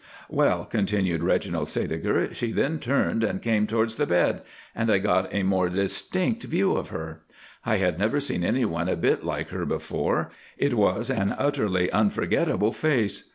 "Well," continued Reginald Sædeger, "she then turned and came towards the bed, and I got a more distinct view of her. I had never seen anyone a bit like her before; it was an utterly unforgettable face.